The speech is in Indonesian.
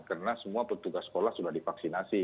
karena semua petugas sekolah sudah divaksinasi